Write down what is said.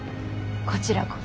こちらこそ。